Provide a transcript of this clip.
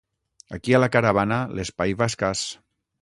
Aquí a la caravana l'espai va escàs.